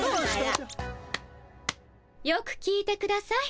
よく聞いてください。